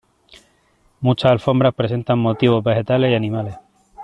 Muchas alfombras presentan motivos vegetales y animales.